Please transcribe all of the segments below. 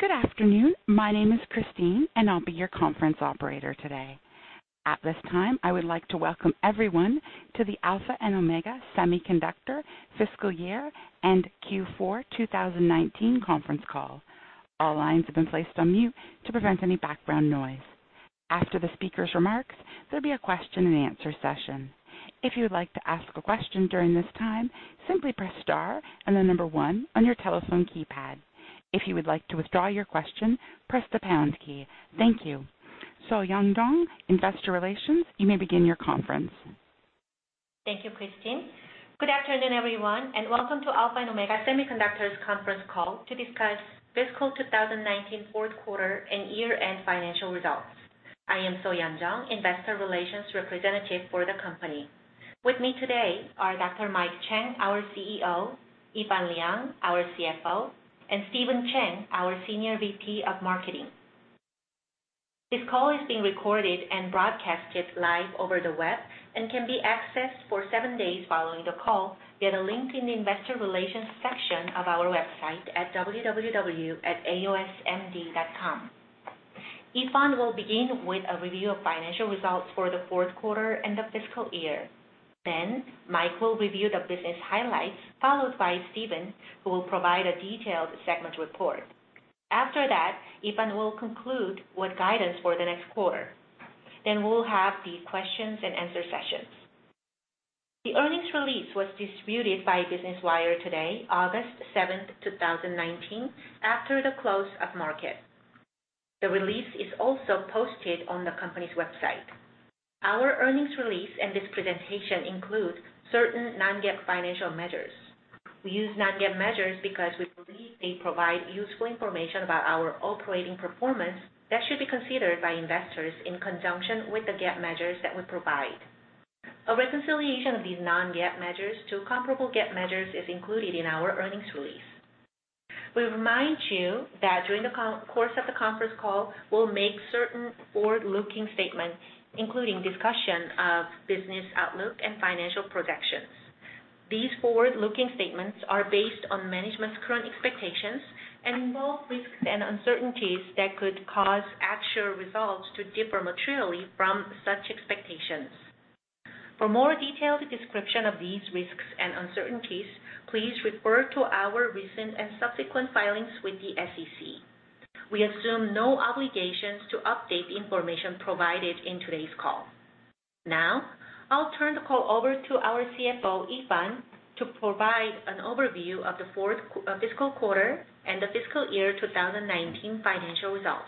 Good afternoon. My name is Christine. I'll be your conference operator today. At this time, I would like to welcome everyone to the Alpha and Omega Semiconductor fiscal year and Q4 2019 conference call. All lines have been placed on mute to prevent any background noise. After the speaker's remarks, there'll be a question and answer session. If you would like to ask a question during this time, simply press star and the number 1 on your telephone keypad. If you would like to withdraw your question, press the pound key. Thank you. So-Yeon Jeong, investor relations, you may begin your conference. Thank you, Christine. Good afternoon, everyone, and welcome to Alpha and Omega Semiconductor conference call to discuss fiscal 2019 fourth quarter and year-end financial results. I am So-Yeon Jeong, investor relations representative for the company. With me today are Dr. Mike Chang, our CEO, Yifan Liang, our CFO, and Stephen Chang, our Senior VP of Marketing. This call is being recorded and broadcasted live over the web and can be accessed for seven days following the call via a link in the investor relations section of our website at www.aosmd.com. Yifan will begin with a review of financial results for the fourth quarter and the fiscal year. Mike will review the business highlights, followed by Stephen, who will provide a detailed segment report. After that, Yifan will conclude with guidance for the next quarter. We will have the questions and answer sessions. The earnings release was distributed by Business Wire today, August 7th, 2019, after the close of market. The release is also posted on the company's website. Our earnings release and this presentation include certain non-GAAP financial measures. We use non-GAAP measures because we believe they provide useful information about our operating performance that should be considered by investors in conjunction with the GAAP measures that we provide. A reconciliation of these non-GAAP measures to comparable GAAP measures is included in our earnings release. We remind you that during the course of the conference call, we'll make certain forward-looking statements, including discussion of business outlook and financial projections. These forward-looking statements are based on management's current expectations and involve risks and uncertainties that could cause actual results to differ materially from such expectations. For more detailed description of these risks and uncertainties, please refer to our recent and subsequent filings with the SEC. We assume no obligations to update the information provided in today's call. Now, I'll turn the call over to our CFO, Yifan, to provide an overview of the fiscal quarter and the fiscal year 2019 financial results.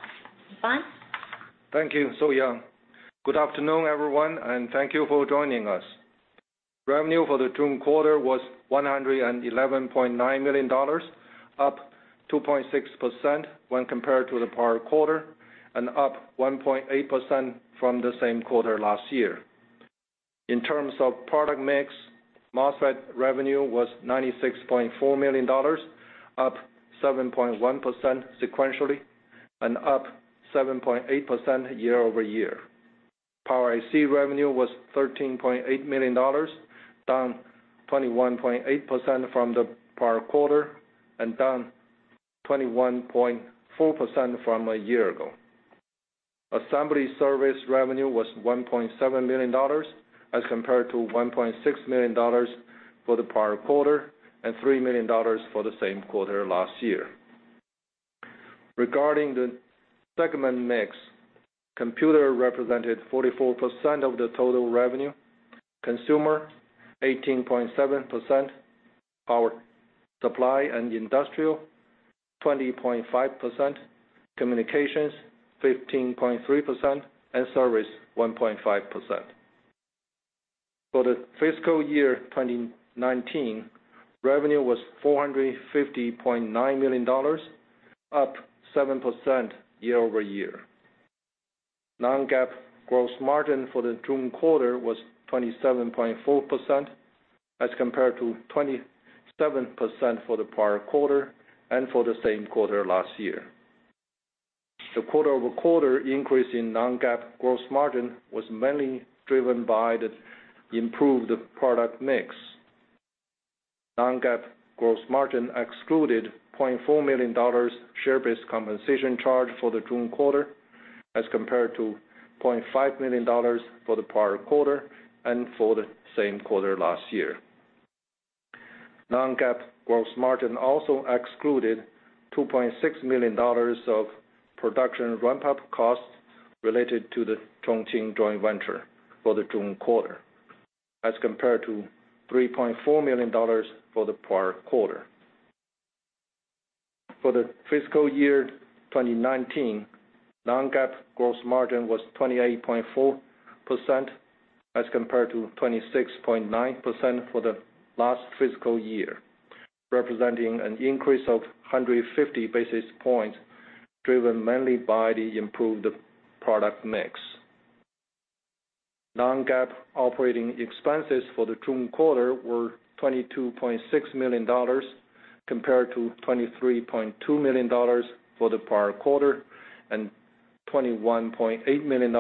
Yifan? Thank you, So-Yeon. Good afternoon, everyone, and thank you for joining us. Revenue for the June quarter was $111.9 million, up 2.6% when compared to the prior quarter and up 1.8% from the same quarter last year. In terms of product mix, MOSFET revenue was $96.4 million, up 7.1% sequentially and up 7.8% year-over-year. Power IC revenue was $13.8 million, down 21.8% from the prior quarter and down 21.4% from a year ago. Assembly service revenue was $1.7 million as compared to $1.6 million for the prior quarter and $3 million for the same quarter last year. Regarding the segment mix, computer represented 44% of the total revenue, consumer 18.7%, power supply and industrial 20.5%, communications 15.3%, and service 1.5%. For the fiscal year 2019, revenue was $450.9 million, up 7% year-over-year. Non-GAAP gross margin for the June quarter was 27.4%, as compared to 27% for the prior quarter and for the same quarter last year. The quarter-over-quarter increase in non-GAAP gross margin was mainly driven by the improved product mix. Non-GAAP gross margin excluded $0.4 million share-based compensation charge for the June quarter, as compared to $0.5 million for the prior quarter and for the same quarter last year. Non-GAAP gross margin also excluded $2.6 million of production ramp-up costs related to the Chongqing joint venture for the June quarter, as compared to $3.4 million for the prior quarter. For the fiscal year 2019, non-GAAP gross margin was 28.4%, as compared to 26.9% for the last fiscal year, representing an increase of 150 basis points, driven mainly by the improved product mix. Non-GAAP operating expenses for the June quarter were $22.6 million, compared to $23.2 million for the prior quarter and $21.8 million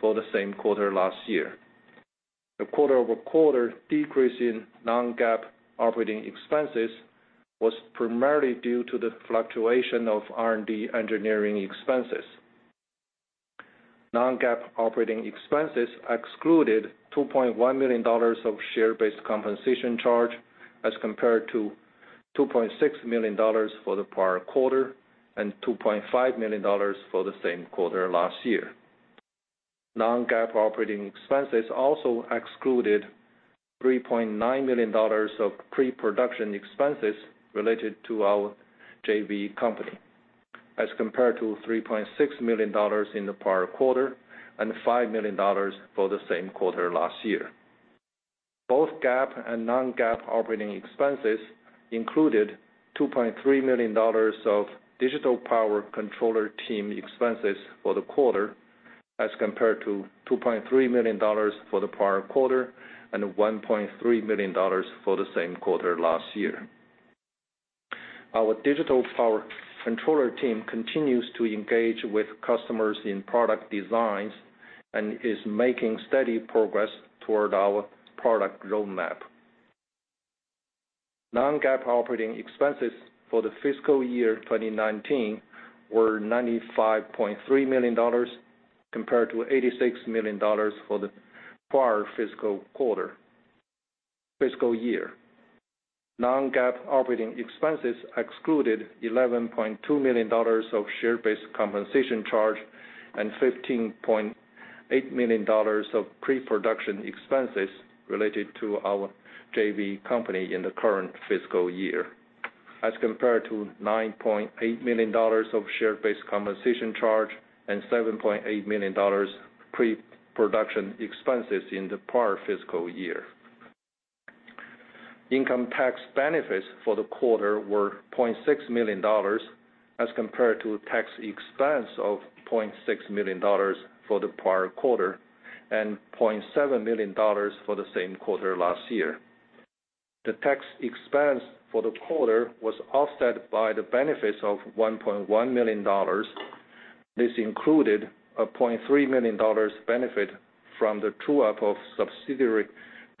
for the same quarter last year. The quarter-over-quarter decrease in non-GAAP operating expenses was primarily due to the fluctuation of R&D engineering expenses. Non-GAAP operating expenses excluded $2.1 million of share-based compensation charge as compared to $2.6 million for the prior quarter and $2.5 million for the same quarter last year. Non-GAAP operating expenses also excluded $3.9 million of pre-production expenses related to our JV company, as compared to $3.6 million in the prior quarter and $5 million for the same quarter last year. Both GAAP and non-GAAP operating expenses included $2.3 million of Digital Power Controller team expenses for the quarter as compared to $2.3 million for the prior quarter and $1.3 million for the same quarter last year. Our Digital Power Controller team continues to engage with customers in product designs and is making steady progress toward our product roadmap. Non-GAAP operating expenses for the fiscal year 2019 were $95.3 million, compared to $86 million for the prior fiscal year. Non-GAAP operating expenses excluded $11.2 million of share-based compensation charge and $15.8 million of pre-production expenses related to our JV company in the current fiscal year, as compared to $9.8 million of share-based compensation charge and $7.8 million pre-production expenses in the prior fiscal year. Income tax benefits for the quarter were $0.6 million as compared to tax expense of $0.6 million for the prior quarter and $0.7 million for the same quarter last year. The tax expense for the quarter was offset by the benefits of $1.1 million. This included a $0.3 million benefit from the true-up of subsidiary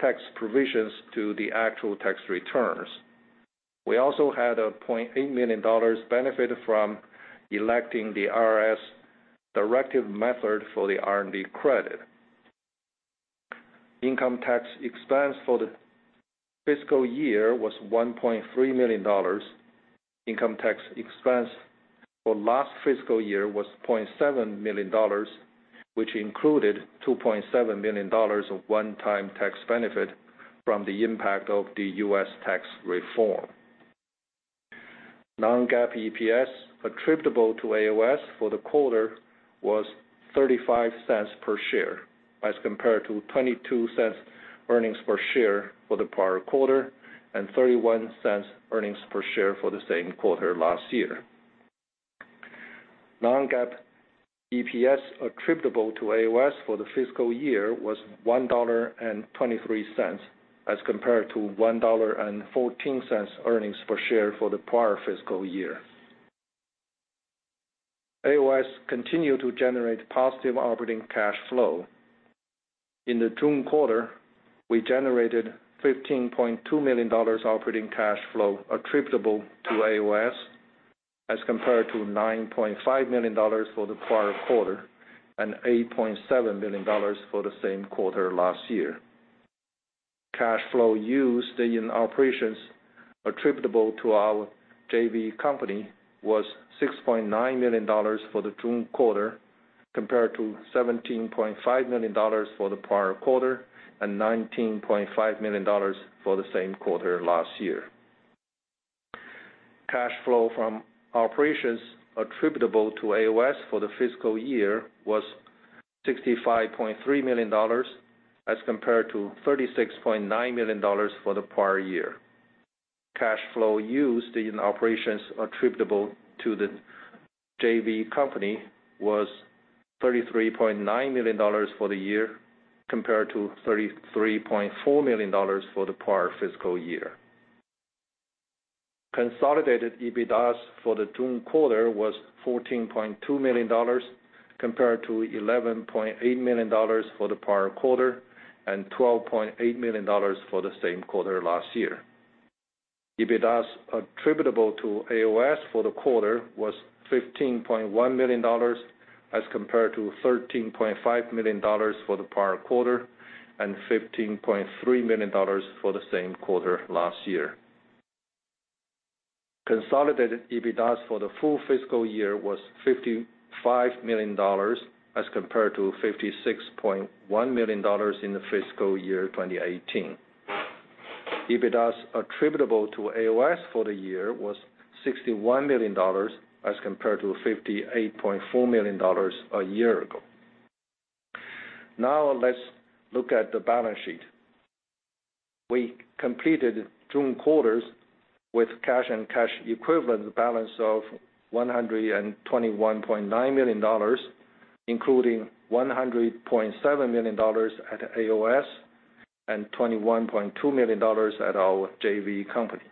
tax provisions to the actual tax returns. We also had a $0.8 million benefit from electing the IRS directive method for the R&D credit. Income tax expense for the fiscal year was $1.3 million. Income tax expense for last fiscal year was $0.7 million, which included $2.7 million of one-time tax benefit from the impact of the U.S. tax reform. Non-GAAP EPS attributable to AOS for the quarter was $0.35 per share as compared to $0.22 earnings per share for the prior quarter and $0.31 earnings per share for the same quarter last year. Non-GAAP EPS attributable to AOS for the fiscal year was $1.23 as compared to $1.14 earnings per share for the prior fiscal year. AOS continued to generate positive operating cash flow. In the June quarter, we generated $15.2 million operating cash flow attributable to AOS as compared to $9.5 million for the prior quarter and $8.7 million for the same quarter last year. Cash flow used in operations attributable to our JV company was $6.9 million for the June quarter compared to $17.5 million for the prior quarter and $19.5 million for the same quarter last year. Cash flow from operations attributable to AOS for the fiscal year was $65.3 million as compared to $36.9 million for the prior year. Cash flow used in operations attributable to the JV company was $33.9 million for the year compared to $33.4 million for the prior fiscal year. Consolidated EBITDAS for the June quarter was $14.2 million compared to $11.8 million for the prior quarter and $12.8 million for the same quarter last year. EBITDAS attributable to AOS for the quarter was $15.1 million as compared to $13.5 million for the prior quarter and $15.3 million for the same quarter last year. Consolidated EBITDAS for the full fiscal year was $55 million as compared to $56.1 million in the fiscal year 2018. EBITDAS attributable to AOS for the year was $61 million as compared to $58.4 million a year ago. Now let's look at the balance sheet. We completed June quarters with cash and cash equivalents balance of $121.9 million, including $100.7 million at AOS and $21.2 million at our JV company.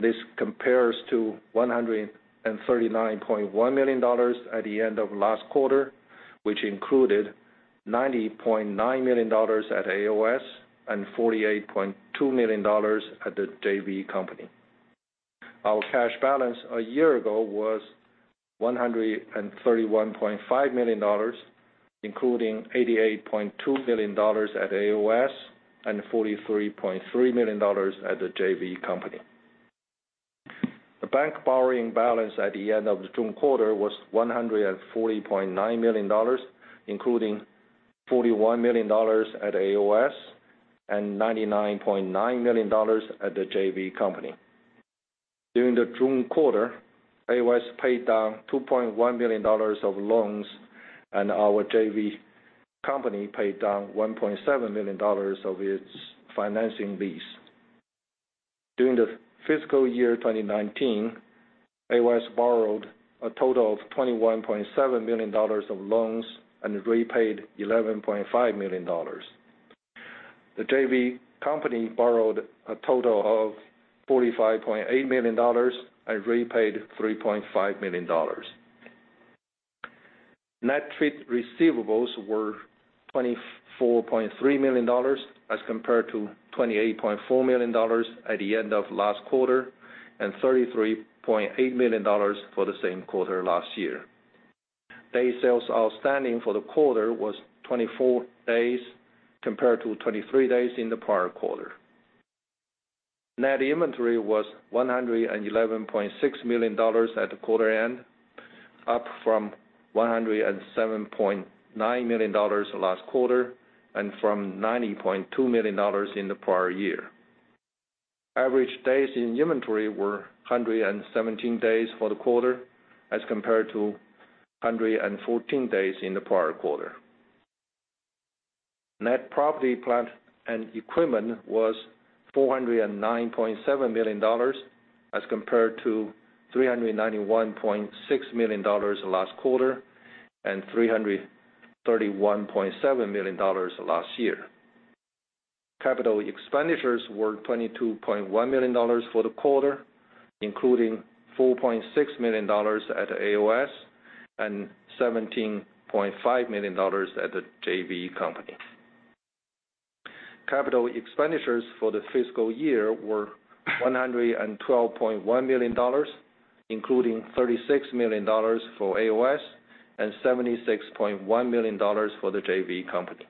This compares to $139.1 million at the end of last quarter, which included $90.9 million at AOS and $48.2 million at the JV company. Our cash balance a year ago was $131.5 million, including $88.2 million at AOS and $43.3 million at the JV company. The bank borrowing balance at the end of the June quarter was $140.9 million, including $41 million at AOS and $99.9 million at the JV company. During the June quarter, AOS paid down $2.1 million of loans, and our JV company paid down $1.7 million of its financing lease. During the fiscal year 2019, AOS borrowed a total of $21.7 million of loans and repaid $11.5 million. The JV company borrowed a total of $45.8 million and repaid $3.5 million. Net trade receivables were $24.3 million as compared to $28.4 million at the end of last quarter, and $33.8 million for the same quarter last year. Day sales outstanding for the quarter was 24 days, compared to 23 days in the prior quarter. Net inventory was $111.6 million at the quarter end, up from $107.9 million last quarter, and from $90.2 million in the prior year. Average days in inventory were 117 days for the quarter as compared to 114 days in the prior quarter. Net property plant and equipment was $409.7 million, as compared to $391.6 million last quarter, and $331.7 million last year. Capital expenditures were $22.1 million for the quarter, including $4.6 million at AOS and $17.5 million at the JV company. Capital expenditures for the fiscal year were $112.1 million, including $36 million for AOS and $76.1 million for the JV company.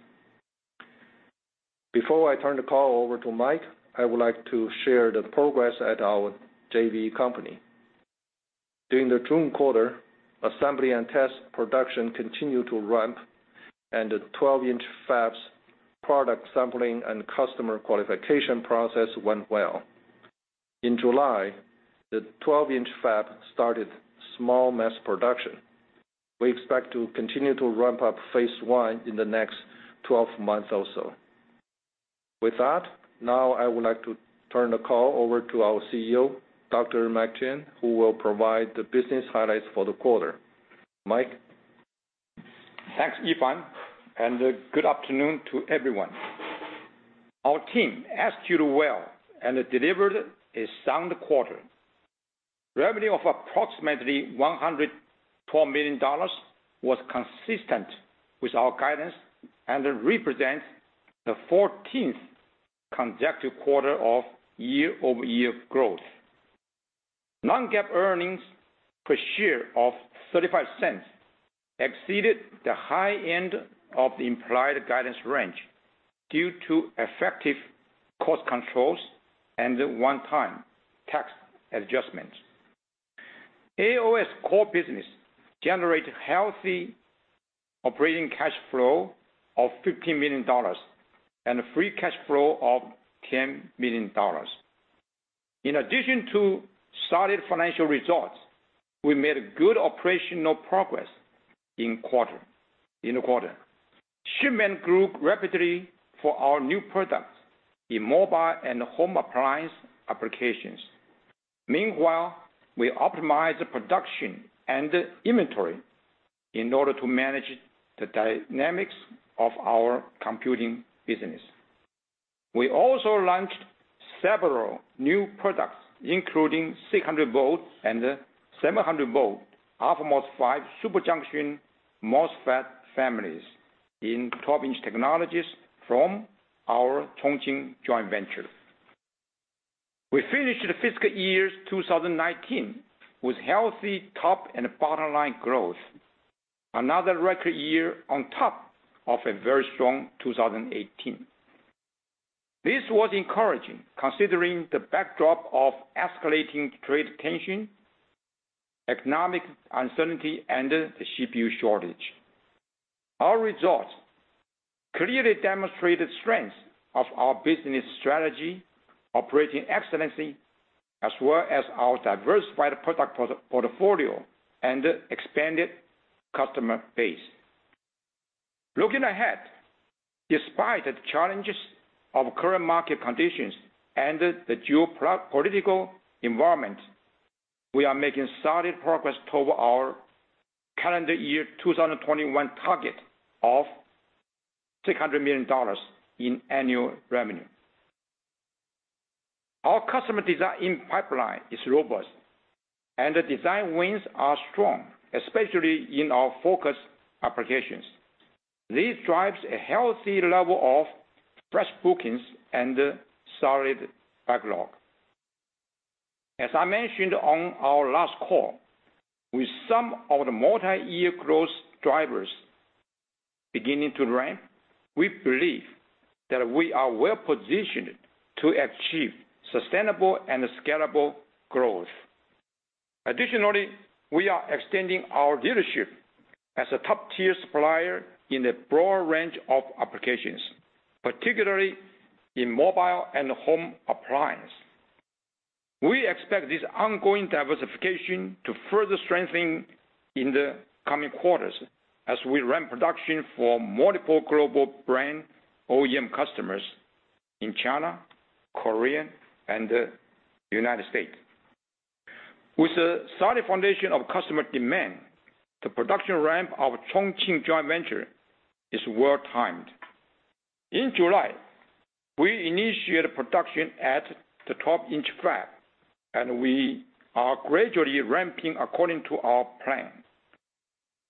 Before I turn the call over to Mike, I would like to share the progress at our JV company. During the June quarter, assembly and test production continued to ramp, and the 12-inch fab's product sampling and customer qualification process went well. In July, the 12-inch fab started small mass production. We expect to continue to ramp up phase one in the next 12 months also. With that, now I would like to turn the call over to our CEO, Dr. Mike Chang, who will provide the business highlights for the quarter. Mike? Thanks, Yifan. Good afternoon to everyone. Our team executed well and delivered a sound quarter. Revenue of approximately $112 million was consistent with our guidance and it represents the 14th consecutive quarter of year-over-year growth. Non-GAAP earnings per share of $0.35 exceeded the high end of the implied guidance range due to effective cost controls and one-time tax adjustments. AOS core business generated healthy operating cash flow of $15 million and a free cash flow of $10 million. In addition to solid financial results, we made good operational progress in the quarter. Shipment grew rapidly for our new products in mobile and home appliance applications. Meanwhile, we optimized the production and the inventory in order to manage the dynamics of our computing business. We also launched several new products, including 600 volts and 700 volt αMOS super junction MOSFET families in 12-inch technologies from our Chongqing joint venture. We finished the fiscal years 2019 with healthy top and bottom line growth. Another record year on top of a very strong 2018. This was encouraging considering the backdrop of escalating trade tension, economic uncertainty, and the chip shortage. Our results clearly demonstrate the strength of our business strategy, operating excellency, as well as our diversified product portfolio and expanded customer base. Looking ahead, despite the challenges of current market conditions and the geopolitical environment. We are making solid progress toward our calendar year 2021 target of $600 million in annual revenue. Our customer design pipeline is robust, the design wins are strong, especially in our focus applications. This drives a healthy level of fresh bookings and solid backlog. As I mentioned on our last call, with some of the multi-year growth drivers beginning to ramp, we believe that we are well-positioned to achieve sustainable and scalable growth. Additionally, we are extending our leadership as a top-tier supplier in a broad range of applications, particularly in mobile and home appliance. We expect this ongoing diversification to further strengthen in the coming quarters as we ramp production for multiple global brand OEM customers in China, Korea, and the United States. With a solid foundation of customer demand, the production ramp of Chongqing joint venture is well timed. In July, we initiated production at the 12-inch fab, and we are gradually ramping according to our plan.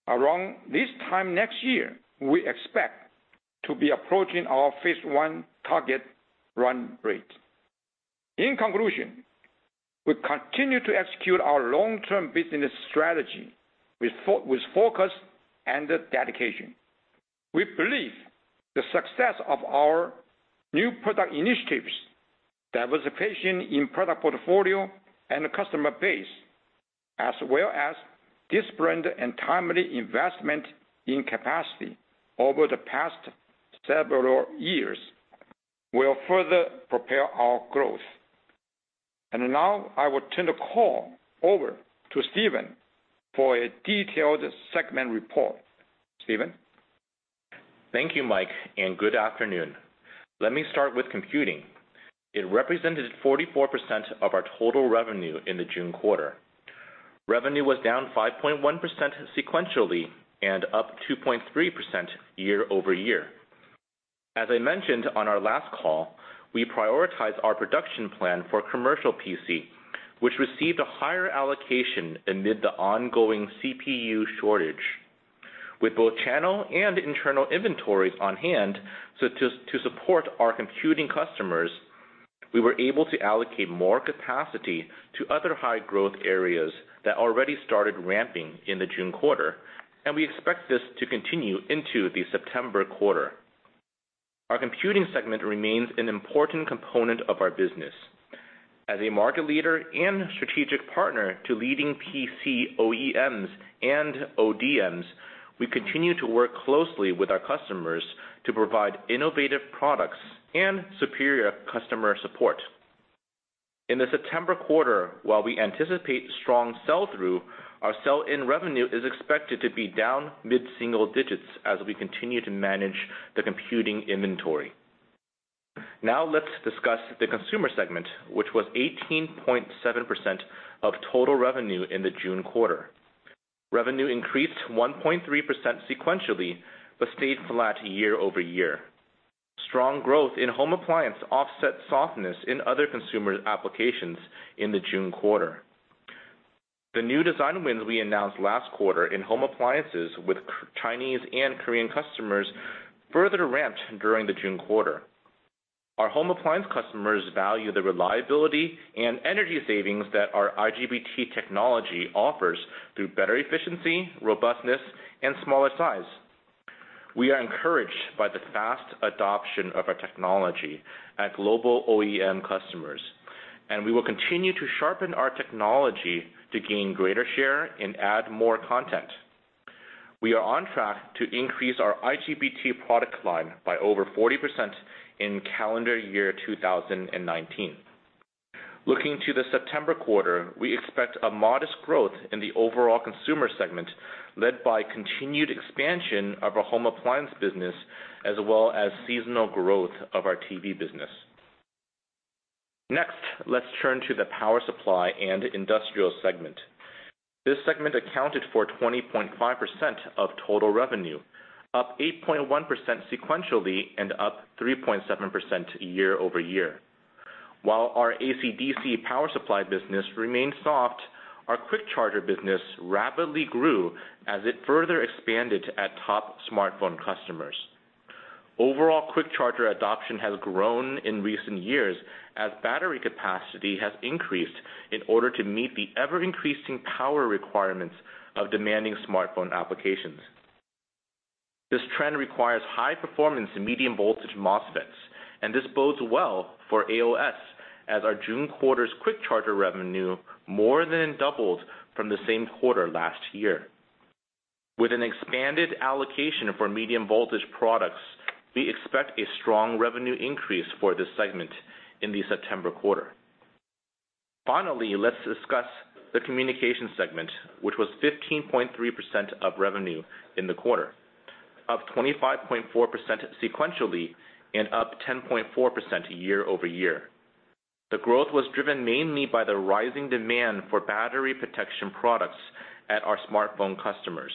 Around this time next year, we expect to be approaching our phase 1 target run rate. In conclusion, we continue to execute our long-term business strategy with focus and dedication. We believe the success of our new product initiatives, diversification in product portfolio, and customer base, as well as disciplined and timely investment in capacity over the past several years, will further prepare our growth. Now I will turn the call over to Stephen for a detailed segment report. Stephen? Thank you, Mike, and good afternoon. Let me start with computing. It represented 44% of our total revenue in the June quarter. Revenue was down 5.1% sequentially and up 2.3% year-over-year. As I mentioned on our last call, we prioritized our production plan for commercial PC, which received a higher allocation amid the ongoing CPU shortage. With both channel and internal inventories on hand to support our computing customers, we were able to allocate more capacity to other high-growth areas that already started ramping in the June quarter, and we expect this to continue into the September quarter. Our computing segment remains an important component of our business. As a market leader and strategic partner to leading PC OEMs and ODMs, we continue to work closely with our customers to provide innovative products and superior customer support. In the September quarter, while we anticipate strong sell-through, our sell-in revenue is expected to be down mid-single digits as we continue to manage the computing inventory. Now let's discuss the consumer segment, which was 18.7% of total revenue in the June quarter. Revenue increased 1.3% sequentially but stayed flat year-over-year. Strong growth in home appliance offset softness in other consumer applications in the June quarter. The new design wins we announced last quarter in home appliances with Chinese and Korean customers further ramped during the June quarter. Our home appliance customers value the reliability and energy savings that our IGBT technology offers through better efficiency, robustness, and smaller size. We are encouraged by the fast adoption of our technology at global OEM customers, and we will continue to sharpen our technology to gain greater share and add more content. We are on track to increase our IGBT product line by over 40% in calendar year 2019. Looking to the September quarter, we expect a modest growth in the overall consumer segment, led by continued expansion of our home appliance business as well as seasonal growth of our TV business. Let's turn to the power supply and industrial segment. This segment accounted for 20.5% of total revenue, up 8.1% sequentially and up 3.7% year-over-year. While our AC-DC power supply business remains soft, our Quick Charger business rapidly grew as it further expanded at top smartphone customers. Overall Quick Charger adoption has grown in recent years as battery capacity has increased in order to meet the ever-increasing power requirements of demanding smartphone applications. This trend requires high performance in medium voltage MOSFETs, and this bodes well for AOS, as our June quarter's Quick Charger revenue more than doubled from the same quarter last year. With an expanded allocation for medium voltage products, we expect a strong revenue increase for this segment in the September quarter. Finally, let's discuss the communication segment, which was 15.3% of revenue in the quarter. Up 25.4% sequentially and up 10.4% year-over-year. The growth was driven mainly by the rising demand for battery protection products at our smartphone customers.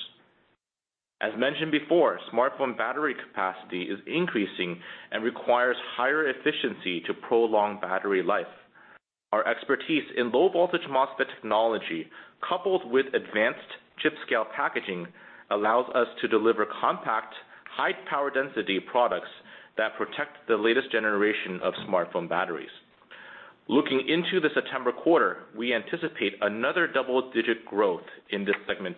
As mentioned before, smartphone battery capacity is increasing and requires higher efficiency to prolong battery life. Our expertise in low voltage MOSFET technology, coupled with advanced chip-scale packaging, allows us to deliver compact, high power density products that protect the latest generation of smartphone batteries. Looking into the September quarter, we anticipate another double-digit growth in this segment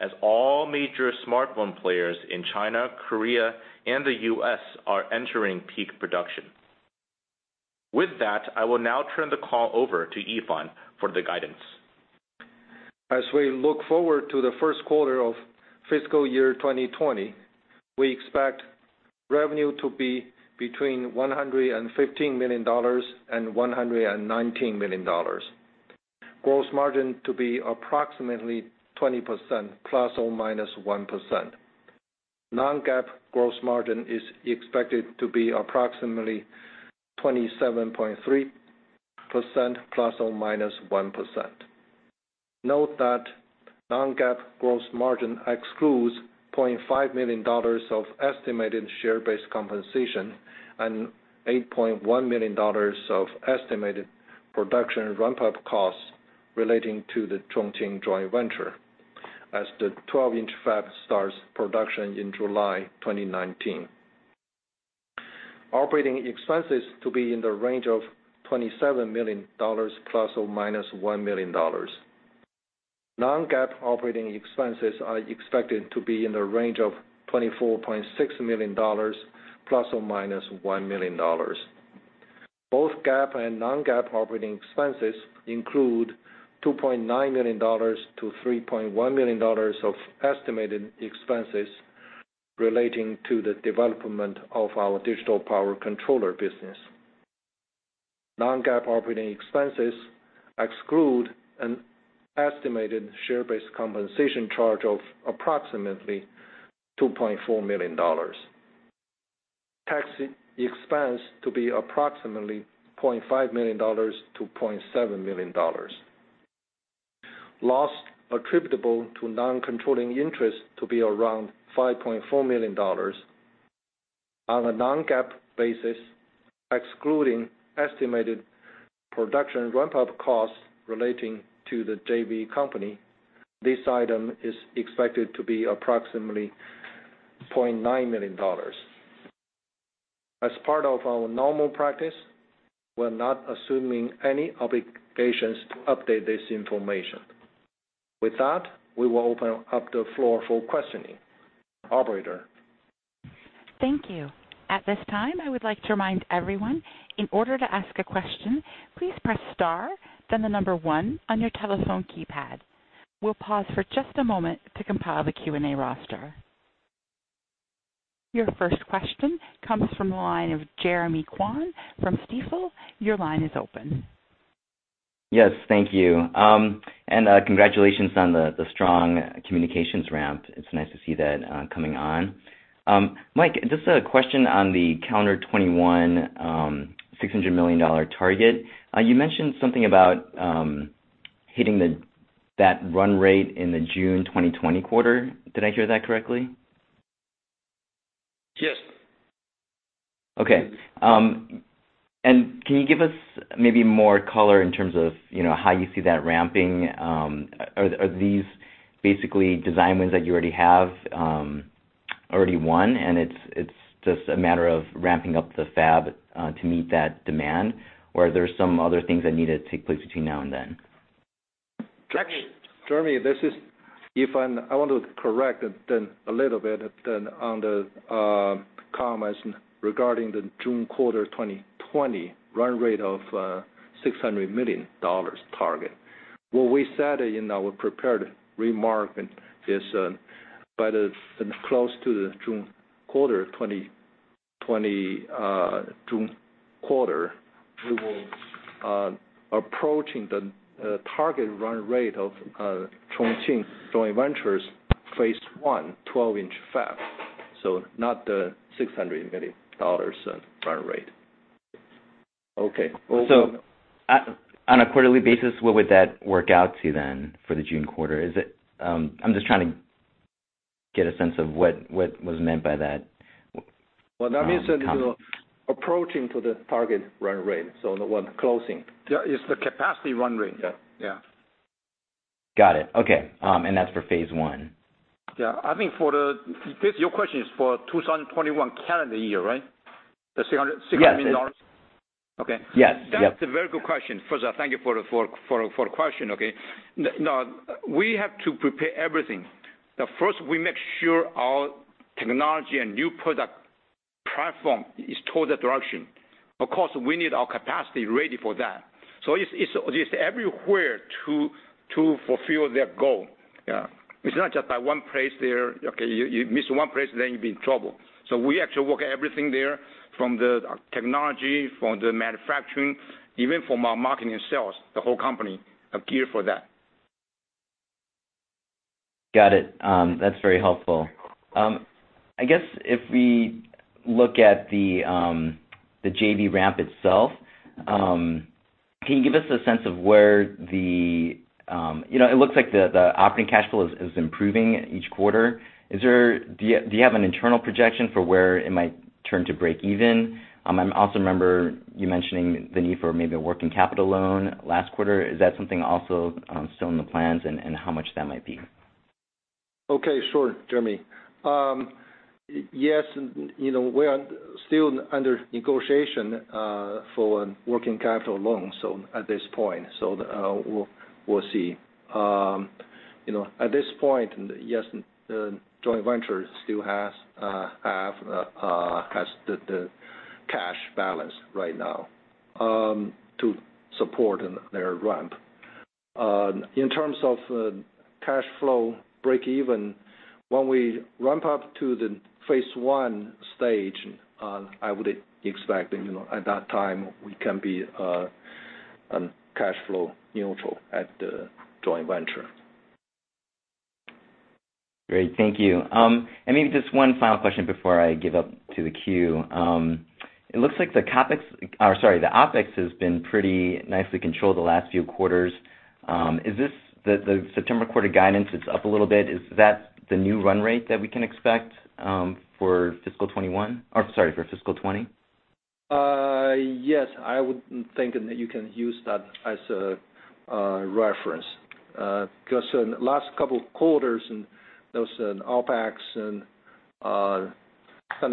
as all major smartphone players in China, Korea, and the U.S. are entering peak production. With that, I will now turn the call over to Yifan for the guidance. As we look forward to the first quarter of fiscal year 2020, we expect revenue to be between $115 million and $119 million. Gross margin to be approximately 20% ±1%. Non-GAAP gross margin is expected to be approximately 27.3% ±1%. Note that non-GAAP gross margin excludes $20.5 million of estimated share-based compensation and $8.1 million of estimated production ramp-up costs relating to the Chongqing joint venture as the 12-inch fab starts production in July 2019. operating expenses to be in the range of $27 million ±$1 million. Non-GAAP operating expenses are expected to be in the range of $24.6 million ±$1 million. Both GAAP and non-GAAP operating expenses include $2.9 million to $3.1 million of estimated expenses relating to the development of our Digital Power Controller business. Non-GAAP operating expenses exclude an estimated share-based compensation charge of approximately $2.4 million. Tax expense to be approximately $20.5 million-$20.7 million. Loss attributable to non-controlling interest to be around $5.4 million. On a non-GAAP basis, excluding estimated production ramp-up costs relating to the JV company, this item is expected to be approximately $20.9 million. As part of our normal practice, we're not assuming any obligations to update this information. With that, we will open up the floor for questioning. Operator? Thank you. At this time, I would like to remind everyone, in order to ask a question, please press star, then the number one on your telephone keypad. We'll pause for just a moment to compile the Q&A roster. Your first question comes from the line of Jeremy Kwan from Stifel. Your line is open. Yes. Thank you. Congratulations on the strong communications ramp. It's nice to see that coming on. Mike, just a question on the calendar 2021, $600 million target. You mentioned something about hitting that run rate in the June 2020 quarter. Did I hear that correctly? Yes. Okay. Can you give us maybe more color in terms of how you see that ramping? Are these basically design wins that you already have, already won, and it's just a matter of ramping up the fab to meet that demand? Or are there some other things that need to take place between now and then? Jeremy, this is Yifan. I want to correct a little bit on the comments regarding the June quarter 2020 run rate of $600 million target. What we said in our prepared remark is by close to the June quarter 2020, we will, approaching the target run rate of Chongqing joint venture's phase 1 12-inch fab. Not the $600 million run rate. Okay. On a quarterly basis, what would that work out to then for the June quarter? I'm just trying to get a sense of what was meant by that. Well, that means approaching to the target run rate, so the one closing. It's the capacity run rate. Yeah. Yeah. Got it. Okay. That's for phase I. Yeah. I think your question is for 2021 calendar year, right? The $600 million? Yes. Okay. Yes. That's a very good question. First, thank you for the question, okay. We have to prepare everything. First, we make sure our technology and new product platform is toward that direction. Of course, we need our capacity ready for that. It's just everywhere to fulfill that goal. Yeah. It's not just by one place there. Okay, you miss one place, then you'll be in trouble. We actually work everything there, from the technology, from the manufacturing, even from our marketing and sales. The whole company are geared for that. Got it. That's very helpful. I guess if we look at the JV ramp itself, can you give us a sense of where the-- It looks like the operating cash flow is improving each quarter. Do you have an internal projection for where it might turn to break even? I also remember you mentioning the need for maybe a working capital loan last quarter. Is that something also still in the plans, and how much that might be? Okay, sure, Jeremy. Yes, we are still under negotiation for a working capital loan at this point, so we'll see. At this point, yes, the joint venture still has the cash balance right now to support their ramp. In terms of cash flow break even, when we ramp up to the phase 1 stage, I would expect at that time we can be cash flow neutral at the joint venture. Great. Thank you. Maybe just one final question before I give up to the queue. It looks like the CapEx, or sorry, the OpEx has been pretty nicely controlled the last few quarters. The September quarter guidance is up a little bit. Is that the new run rate that we can expect for fiscal 2021? Sorry, for fiscal 2020? Yes, I would think that you can use that as a reference. In last couple quarters, those OpEx kind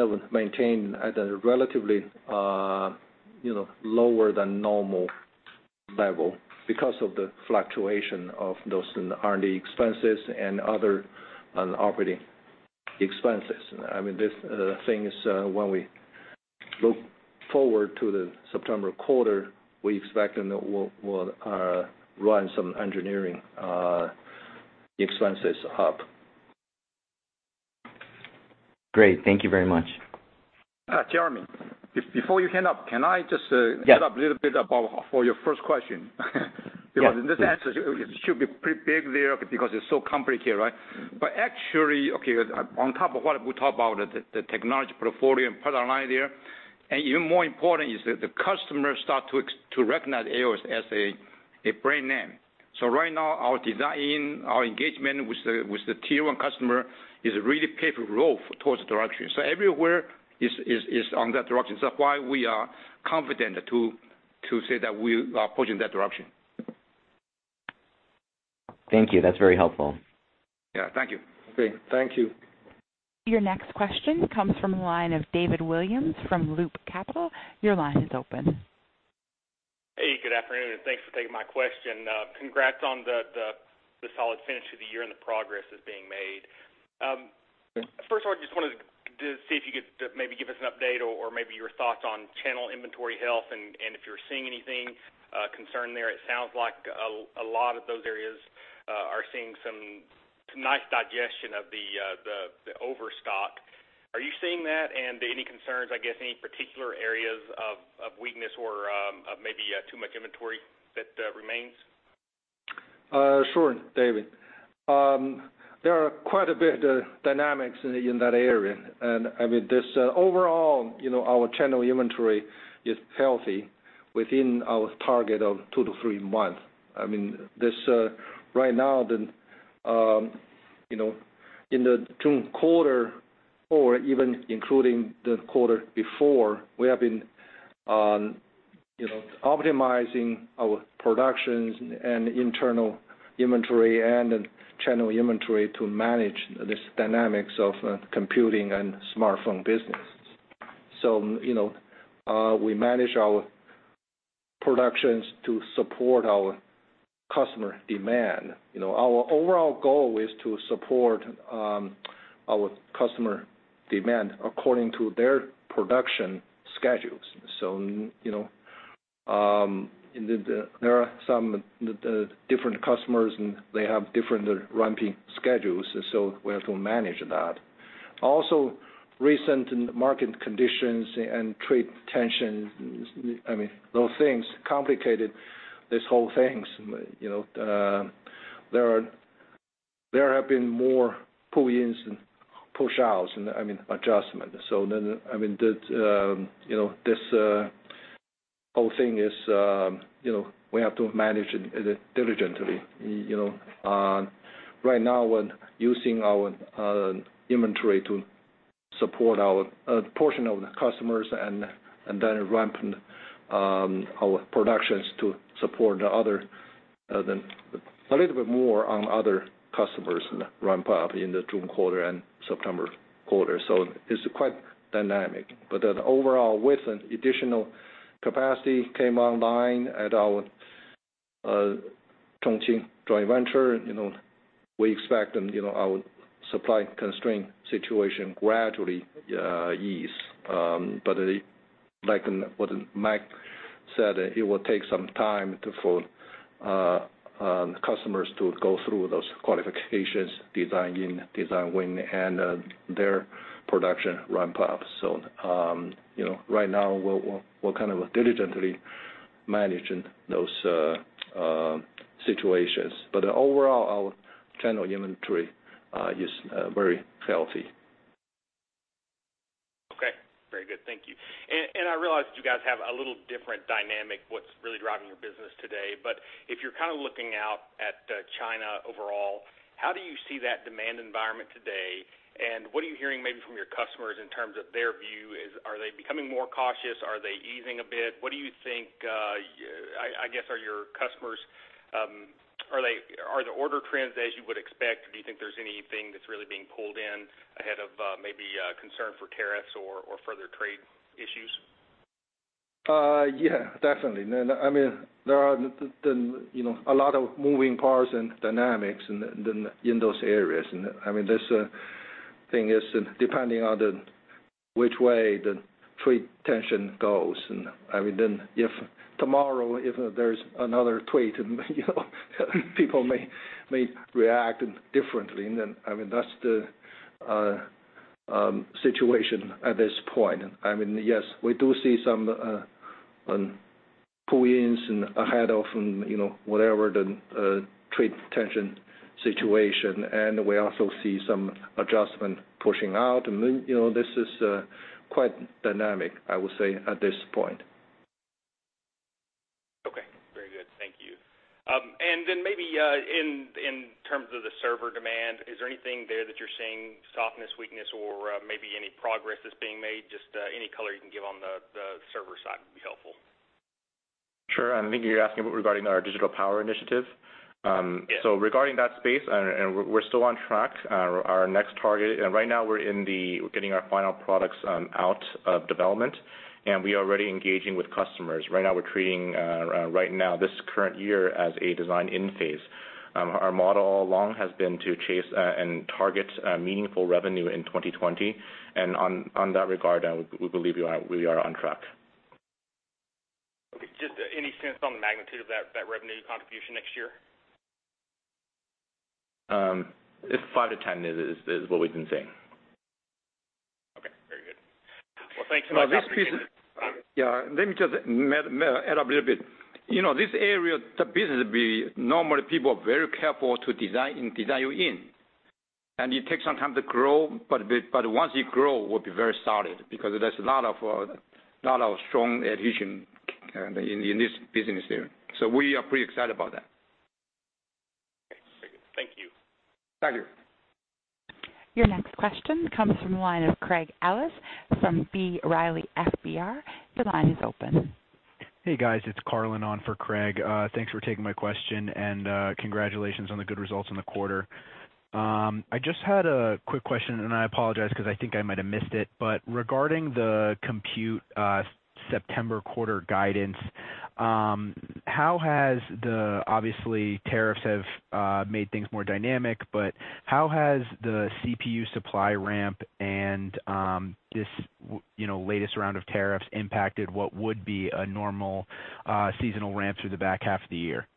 of maintain at a relatively lower than normal level because of the fluctuation of those R&D expenses and other operating expenses. I mean, these things when we look forward to the September quarter, we expect that we'll run some engineering expenses up. Great. Thank you very much. Jeremy, before you hang up. Yes get up a little bit for your first question? Yes. This answer should be pretty big there because it's so complicated, right? Actually, okay, on top of what we talk about the technology portfolio and product line there, and even more important is that the customers start to recognize AOS as a brand name. Right now, our design, our engagement with the tier 1 customer is really paved with growth towards the direction. Everywhere is on that direction. That's why we are confident to say that we are pushing that direction. Thank you. That's very helpful. Yeah. Thank you. Great. Thank you. Your next question comes from the line of David Williams from Loop Capital. Your line is open. Hey, good afternoon, and thanks for taking my question. Congrats on the solid finish to the year and the progress that's being made. Thanks. First of all, I just wanted to see if you could maybe give us an update or maybe your thoughts on channel inventory health and if you're seeing anything concerning there. It sounds like a lot of those areas are seeing some nice digestion of the overstock. Are you seeing that? Any concerns, I guess, any particular areas of weakness or maybe too much inventory that remains? Sure, David. There are quite a bit of dynamics in that area. I mean, overall, our channel inventory is healthy within our target of 2-3 months. I mean, right now, in the June quarter or even including the quarter before, we have been optimizing our productions and internal inventory and channel inventory to manage these dynamics of computing and smartphone business. We manage our productions to support our customer demand. Our overall goal is to support our customer demand according to their production schedules. There are some different customers, and they have different ramping schedules, we have to manage that. Also, recent market conditions and trade tensions, I mean, those things complicated this whole things. There have been more pull-ins and push-outs and, I mean, adjustment. This whole thing is we have to manage it diligently. Right now we're using our inventory to support a portion of the customers and then ramp our productions to support a little bit more on other customers ramp up in the June quarter and September quarter. It's quite dynamic. The overall with additional capacity came online at our Chongqing joint venture. We expect our supply constraint situation gradually ease. Like what Mike said, it will take some time for customers to go through those qualifications, design in, design win, and their production ramp up. Right now we're kind of diligently managing those situations. Overall, our channel inventory is very healthy. Okay. Very good. Thank you. I realize that you guys have a little different dynamic, what's really driving your business today. If you're looking out at China overall, how do you see that demand environment today, and what are you hearing maybe from your customers in terms of their view? Are they becoming more cautious? Are they easing a bit? I guess, are your customers, are the order trends as you would expect? Do you think there's anything that's really being pulled in ahead of maybe concern for tariffs or further trade issues? Yeah, definitely. There are a lot of moving parts and dynamics in those areas. This thing is depending on the which way the trade tension goes. If tomorrow, if there's another tweet, people may react differently. That's the situation at this point. Yes, we do see some pull-ins ahead of whatever the trade tension situation, and we also see some adjustment pushing out, and this is quite dynamic, I will say, at this point. Okay. Very good. Thank you. Maybe, in terms of the server demand, is there anything there that you're seeing softness, weakness, or maybe any progress that's being made? Just any color you can give on the server side would be helpful. Sure. I think you're asking regarding our digital power initiative. Yes. Regarding that space, and we're still on track. Right now, we're getting our final products out of development, and we are already engaging with customers. Right now, we're treating this current year as a design in phase. Our model all along has been to chase and target meaningful revenue in 2020. On that regard, we believe we are on track. Just any sense on the magnitude of that revenue contribution next year? Five to 10 is what we've been saying. Okay. Very good. Thank you much. Appreciate it. Yeah. Let me just add a little bit. This area, the business, normally people are very careful to design you in. It takes some time to grow, but once it grow, will be very solid because there's a lot of strong adhesion in this business area. We are pretty excited about that. Okay. Very good. Thank you. Thank you. Your next question comes from the line of Craig Ellis from B. Riley FBR. Your line is open. Hey, guys. It's Carlin on for Craig. Thanks for taking my question, and congratulations on the good results in the quarter. I just had a quick question, and I apologize because I think I might have missed it, but regarding the compute September quarter guidance, obviously, tariffs have made things more dynamic, but how has the CPU supply ramp and this latest round of tariffs impacted what would be a normal seasonal ramp through the back half of the year?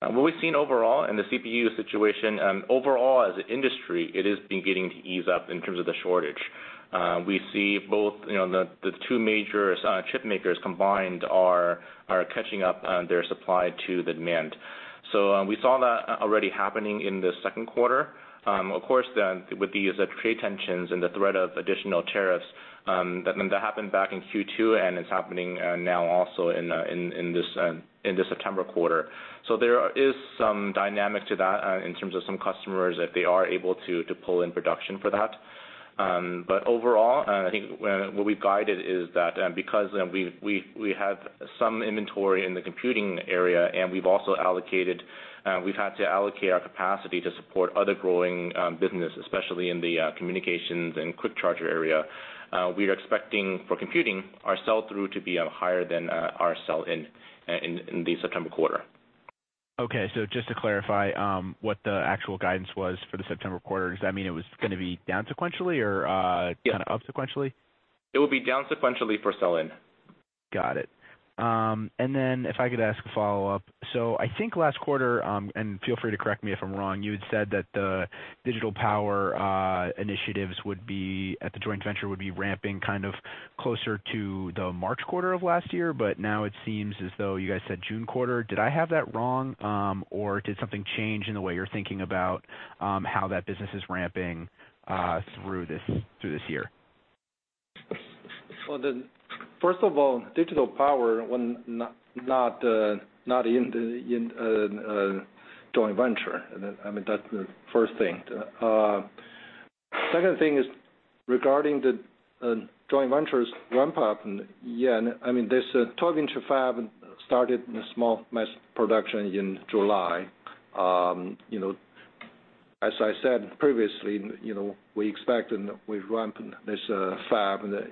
What we've seen overall in the CPU situation, overall as an industry, it is beginning to ease up in terms of the shortage. We see both the two major chip makers combined are catching up on their supply to the demand. We saw that already happening in the second quarter. Of course, with these trade tensions and the threat of additional tariffs, that happened back in Q2, and it's happening now also in the September quarter. There is some dynamic to that in terms of some customers, if they are able to pull in production for that. Overall, I think what we've guided is that because we have some inventory in the computing area, and we've had to allocate our capacity to support other growing business, especially in the communications and Quick Charger area. We are expecting for computing our sell-through to be higher than our sell-in in the September quarter. Just to clarify what the actual guidance was for the September quarter. Does that mean it was going to be down sequentially or-? Yes kind of up sequentially? It will be down sequentially for sell-in. Got it. If I could ask a follow-up. I think last quarter, and feel free to correct me if I'm wrong, you had said that the digital power initiatives at the joint venture would be ramping closer to the March quarter of last year. Now it seems as though you guys said June quarter. Did I have that wrong, or did something change in the way you're thinking about how that business is ramping through this year? First of all, digital power, not in the joint venture. That's the first thing. Second thing is regarding the joint venture's ramp-up. Yeah, this 12-inch fab started in a small mass production in July. As I said previously, we expect we've ramped this fab in a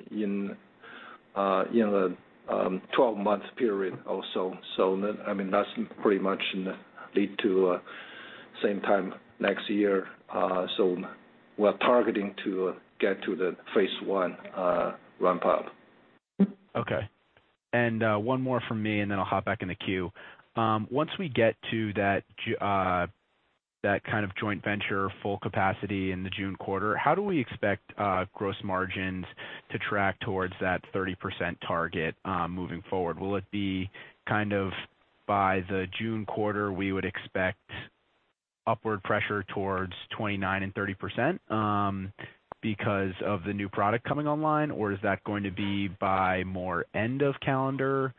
12-month period or so. That's pretty much lead to same time next year. We're targeting to get to the phase 1 ramp-up. Okay. One more from me, and then I'll hop back in the queue. Once we get to that joint venture full capacity in the June quarter, how do we expect gross margins to track towards that 30% target moving forward? Will it be by the June quarter, we would expect upward pressure towards 29% and 30% because of the new product coming online, or is that going to be by more end of calendar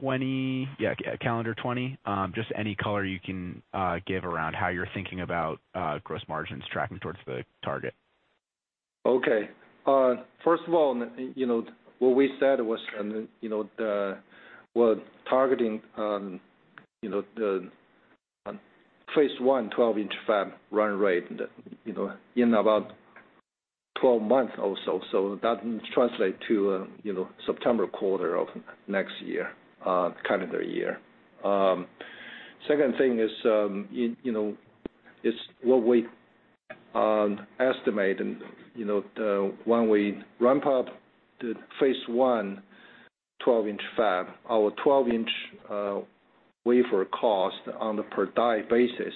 2020? Just any color you can give around how you're thinking about gross margins tracking towards the target. Okay. First of all, what we said was we're targeting the phase 1 12-inch fab run rate in about 12 months or so. That translate to September quarter of next year, calendar year. Second thing is what we estimate and when we ramp up the phase 1 12-inch fab, our 12-inch wafer cost on a per die basis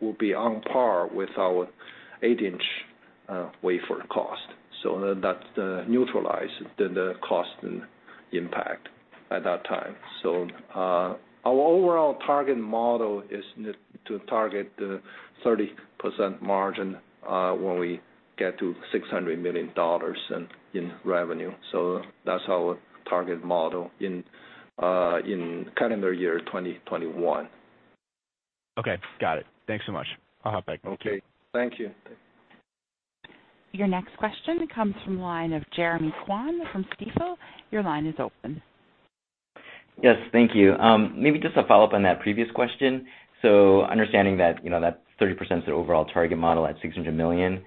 will be on par with our 8-inch wafer cost. That neutralize the cost impact at that time. Our overall target model is to target the 30% margin, when we get to $600 million in revenue. That's our target model in calendar year 2021. Okay, got it. Thanks so much. I'll hop back. Okay. Thank you. Your next question comes from the line of Jeremy Kwan from Stifel. Your line is open. Yes, thank you. Maybe just a follow-up on that previous question. Understanding that 30% is the overall target model at $600 million,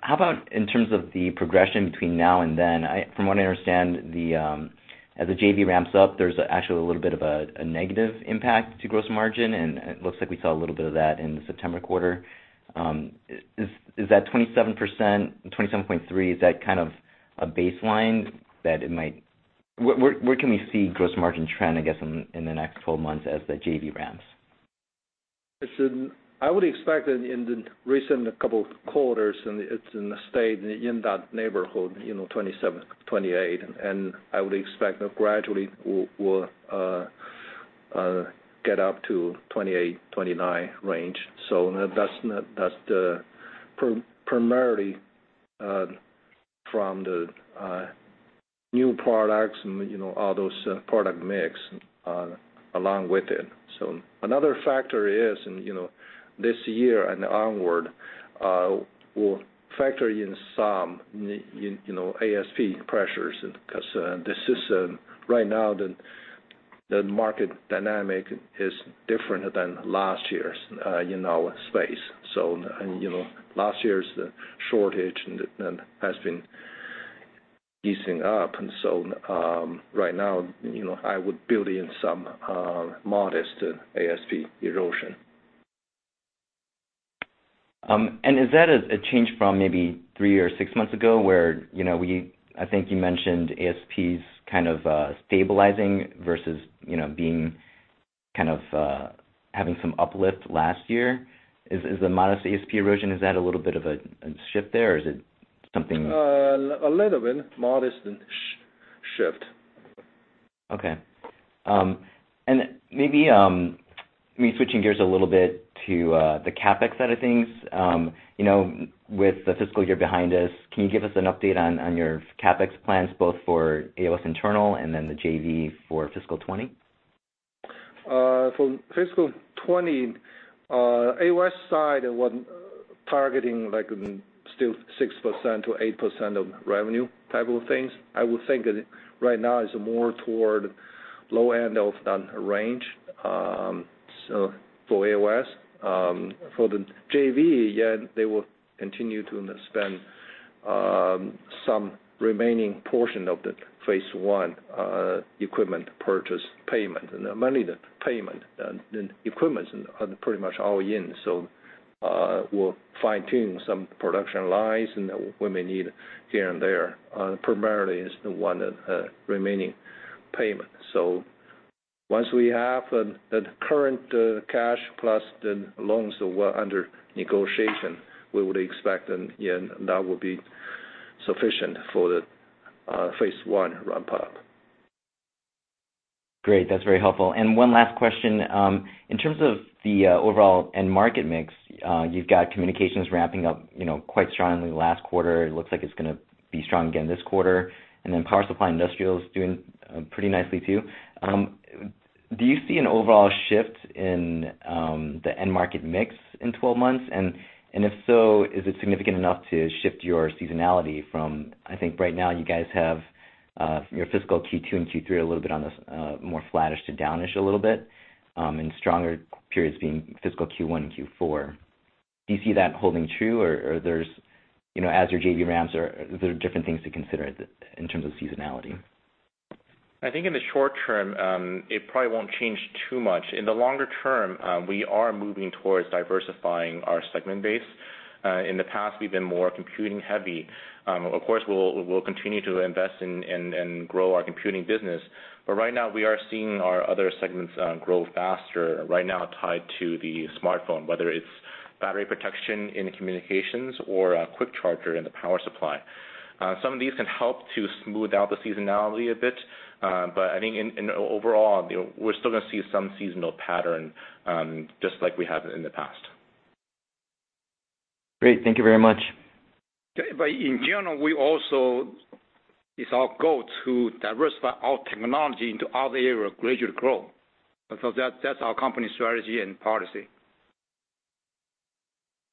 how about in terms of the progression between now and then? From what I understand, as the JV ramps up, there's actually a little bit of a negative impact to gross margin, and it looks like we saw a little bit of that in the September quarter. Is that 27%, 27.3%, is that kind of a baseline? Where can we see gross margin trend, I guess, in the next 12 months as the JV ramps? I would expect that in the recent couple of quarters, and it's stayed in that neighborhood, 27%-28%, and I would expect that gradually we'll get up to 28%-29% range. That's primarily from the new products and all those product mix along with it. Another factor is, this year and onward, we'll factor in some ASP pressures, because the system right now, the market dynamic is different than last year's space. Last year's shortage has been easing up, right now, I would build in some modest ASP erosion. Is that a change from maybe three or six months ago where I think you mentioned ASPs kind of stabilizing versus being kind of having some uplift last year? Is the modest ASP erosion, is that a little bit of a shift there? A little bit. Modest shift. Okay. Maybe, me switching gears a little bit to the CapEx side of things, with the fiscal year behind us, can you give us an update on your CapEx plans both for AOS internal and then the JV for fiscal 2020? For fiscal 2020, AOS side, we're targeting still 6%-8% of revenue type of things. I would think right now it's more toward low end of that range. For AOS. For the JV, they will continue to spend some remaining portion of the phase 1 equipment purchase payment. Mainly the payment. The equipment's pretty much all in. We'll fine-tune some production lines when we need here and there. Primarily, it's the one remaining payment. Once we have the current cash plus the loans that were under negotiation, we would expect that would be sufficient for the phase 1 ramp up. Great. That's very helpful. One last question. In terms of the overall end market mix, you've got communications ramping up quite strongly last quarter. It looks like it's going to be strong again this quarter. Power supply industrial is doing pretty nicely, too. Do you see an overall shift in the end market mix in 12 months? If so, is it significant enough to shift your seasonality from, I think right now you guys have your fiscal Q2 and Q3 a little bit on the more flattish to downish a little bit, and stronger periods being fiscal Q1 and Q4. Do you see that holding true, or as your JV ramps, are there different things to consider in terms of seasonality? I think in the short term, it probably won't change too much. In the longer term, we are moving towards diversifying our segment base. In the past, we've been more computing-heavy. Of course, we'll continue to invest in and grow our computing business. Right now, we are seeing our other segments grow faster right now tied to the smartphone, whether it's battery protection in the communications or a Quick Charger in the power supply. Some of these can help to smooth out the seasonality a bit. I think overall, we're still going to see some seasonal pattern just like we have in the past. Great. Thank you very much. In general, it's our goal to diversify our technology into other area of greater growth. That's our company strategy and policy.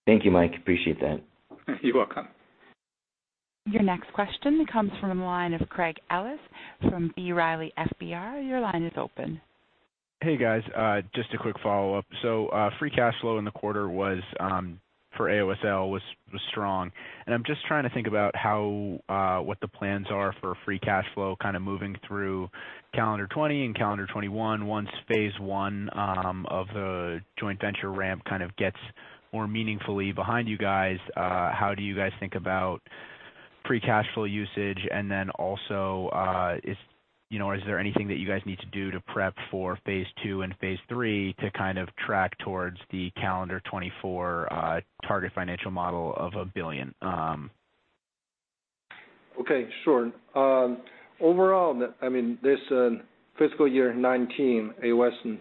Thank you, Mike. Appreciate that. You're welcome. Your next question comes from the line of Craig Ellis from B. Riley FBR. Your line is open. Hey, guys. Just a quick follow-up. Free cash flow in the quarter for AOSL was strong, and I'm just trying to think about what the plans are for free cash flow moving through calendar 2020 and calendar 2021. Once phase 1 of the joint venture ramp gets more meaningfully behind you guys, how do you guys think about free cash flow usage? Is there anything that you guys need to do to prep for phase 2 and phase 3 to track towards the calendar 2024 target financial model of $1 billion? Okay, sure. Overall, this fiscal year 2019, AOS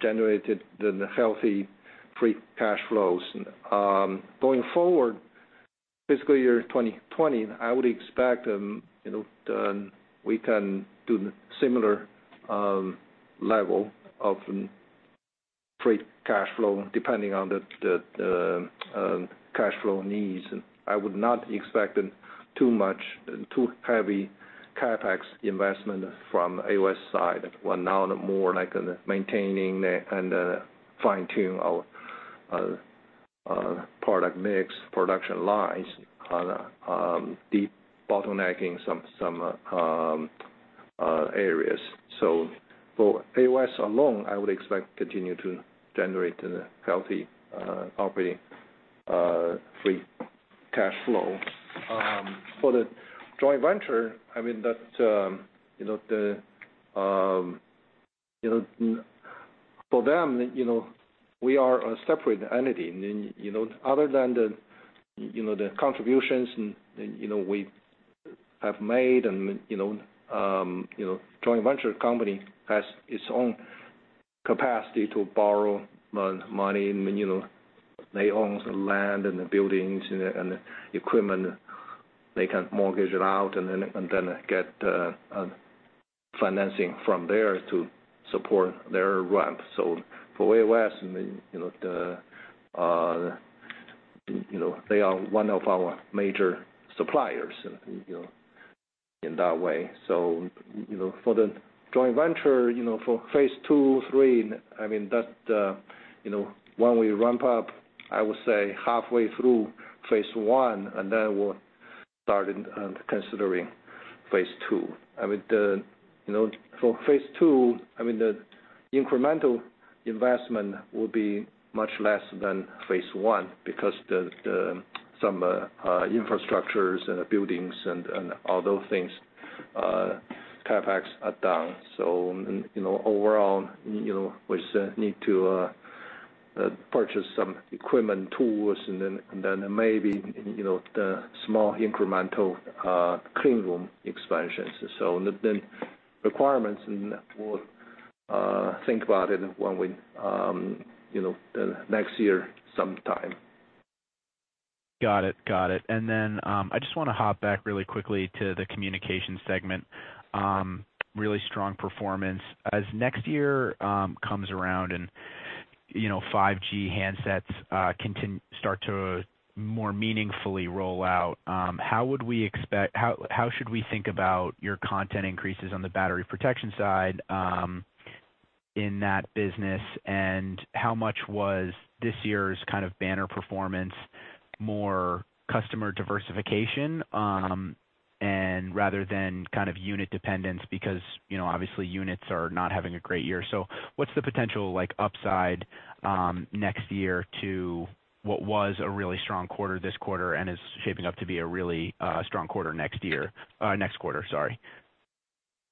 generated the healthy free cash flows. Going forward, fiscal year 2020, I would expect we can do similar level of free cash flow depending on the cash flow needs. I would not expect too heavy CapEx investment from AOS side. We're now more like maintaining and fine-tuning our product mix, production lines, debottlenecking some areas. For AOS alone, I would expect continue to generate healthy operating free cash flow. For the joint venture, for them, we are a separate entity. Other than the contributions we have made, joint venture company has its own capacity to borrow money. They own the land and the buildings and the equipment. They can mortgage it out and then get financing from there to support their ramp. For AOS, they are one of our major suppliers in that way. For the joint venture, for phase 2, 3, when we ramp up, I would say halfway through phase 1, and then we'll start considering phase 2. For phase 2, the incremental investment will be much less than phase 1 because some infrastructures and buildings and all those things, CapEx are down. Overall, we just need to purchase some equipment, tools, and then maybe the small incremental clean room expansions. The requirements, we'll think about it next year sometime. Got it. Then I just want to hop back really quickly to the communication segment. Really strong performance. As next year comes around and 5G handsets start to more meaningfully roll out, how should we think about your content increases on the battery protection side in that business, and how much was this year's banner performance more customer diversification and rather than unit dependence? Obviously units are not having a great year. What's the potential upside next year to what was a really strong quarter this quarter and is shaping up to be a really strong quarter next quarter?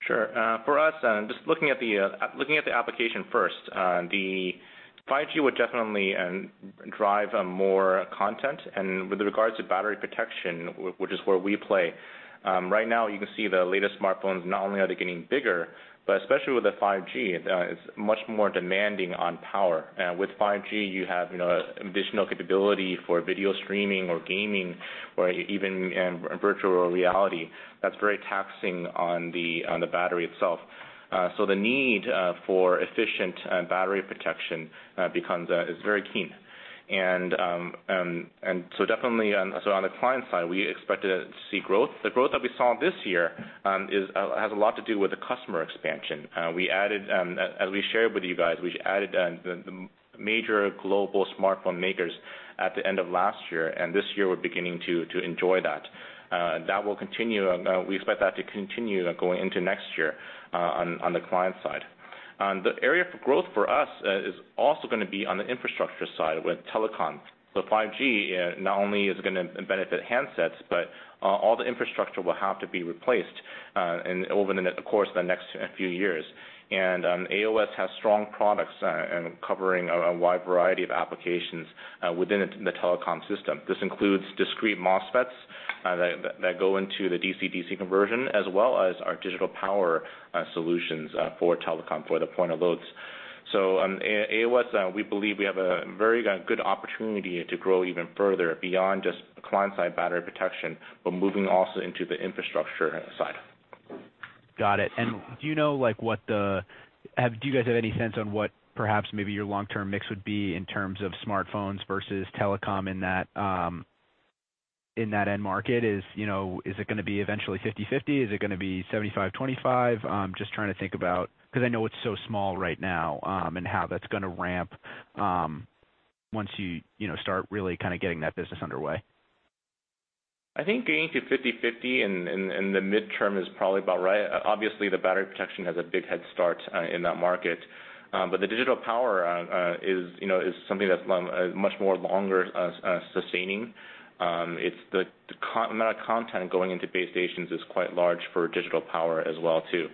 Sure. For us, just looking at the application first, the 5G would definitely drive more content. With regards to battery protection, which is where we play, right now, you can see the latest smartphones, not only are they getting bigger, but especially with the 5G, it's much more demanding on power. With 5G, you have additional capability for video streaming or gaming or even virtual reality. That's very taxing on the battery itself. The need for efficient battery protection is very keen. Definitely on the client side, we expect to see growth. The growth that we saw this year has a lot to do with the customer expansion. As we shared with you guys, we added the major global smartphone makers at the end of last year, and this year we're beginning to enjoy that. We expect that to continue going into next year on the client side. The area for growth for us is also going to be on the infrastructure side with telecom. 5G not only is going to benefit handsets, but all the infrastructure will have to be replaced over the course of the next few years. AOS has strong products covering a wide variety of applications within the telecom system. This includes discrete MOSFETs that go into the DC-DC conversion, as well as our digital power solutions for telecom for the point of loads. At AOS, we believe we have a very good opportunity to grow even further beyond just the client-side battery protection, but moving also into the infrastructure side. Got it. Do you guys have any sense on what perhaps maybe your long-term mix would be in terms of smartphones versus telecom in that end market? Is it going to be eventually 50/50? Is it going to be 75/25? Just trying to think about, because I know it's so small right now, and how that's going to ramp once you start really getting that business underway. I think getting to 50/50 in the midterm is probably about right. Obviously, the battery protection has a big head start in that market. The Digital Power is something that's much more longer sustaining. The amount of content going into base stations is quite large for Digital Power as well, too.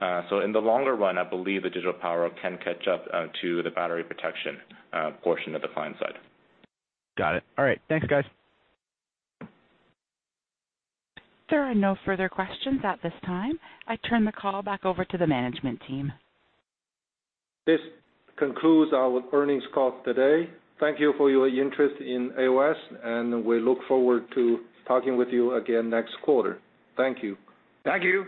In the longer run, I believe the Digital Power can catch up to the battery protection portion of the client side. Got it. All right. Thanks, guys. There are no further questions at this time. I turn the call back over to the management team. This concludes our earnings call today. Thank you for your interest in AOS, and we look forward to talking with you again next quarter. Thank you. Thank you.